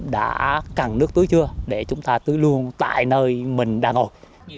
đã cần nước tưới chưa để chúng ta tưới luôn tại nơi mình đang ngồi